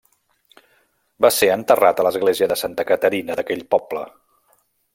Va ser enterrat a l'església de Santa Caterina d'aquell poble.